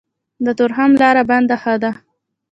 د تورخم لاره بنده ښه ده.